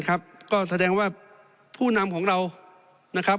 ก็แสดงกับผู้นำเรา